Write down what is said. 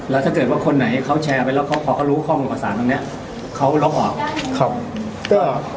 แล้วถ้าเกิดว่าคนไหนเขาแชร์ไปแล้วเขาพอเขารู้ข้อมูลประสานตรงเนี้ยเขาลบออก